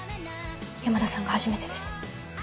山田さんが初めてです。